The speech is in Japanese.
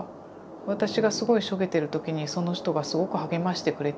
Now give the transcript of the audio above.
私がすごいしょげてる時にその人がすごく励ましてくれていたりだとか。